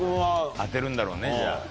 当てるんだろうねじゃあ。